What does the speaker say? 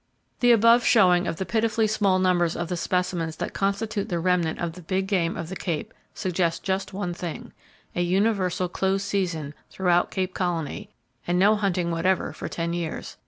The above showing of the pitifully small numbers of the specimens that constitute the remnant of the big game of the Cape suggest just one thing:—a universal close season throughout Cape Colony, and no hunting whatever for ten years.